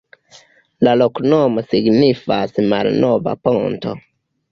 La loknomo signifas: malnova ponto.